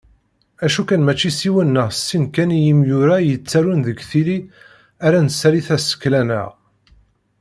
Acu kan mačči s yiwen neɣ s sin kan n yimyura i yettarun deg tili ara nessali tasekla-nneɣ